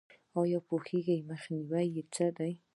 ایا پوهیږئ چې مخنیوی څه دی؟